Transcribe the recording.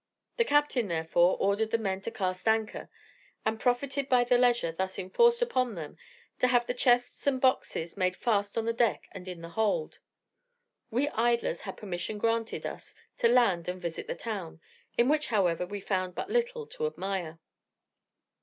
The captain, therefore, ordered the men to cast anchor, and profited by the leisure thus forced upon him to have the chests and boxes made fast on the deck and in the hold. We idlers had permission granted us to land and visit the town, in which, however, we found but little to admire.